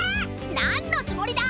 なんのつもりだ！